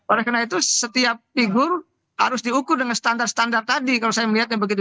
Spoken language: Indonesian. oleh karena itu setiap figur harus diukur dengan standar standar tadi kalau saya melihatnya begitu